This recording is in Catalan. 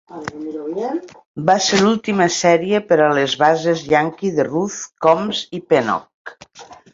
Va ser l'última sèrie per a les bases Yankee de Ruth, Combs i Pennock.